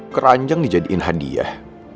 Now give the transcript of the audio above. keranjang dijadikan hadiah